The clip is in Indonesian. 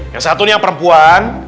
yang satunya perempuan